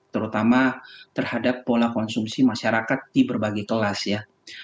terutama terhadap pola konsumsi masyarakat di berbagai kelas ya